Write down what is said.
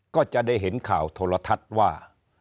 ก็จะได้เห็นข่าวโทรทัศน์ว่า